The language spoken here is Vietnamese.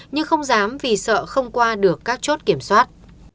nhưng không dám vì sợ không qua được các chốt kiểm soát